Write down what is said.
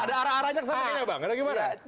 ada arah aranya kesana ini bang